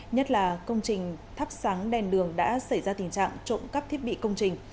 nhất là công trình thắp sáng đèn đường đã xảy ra tình trạng trộm cắp thiết bị công trình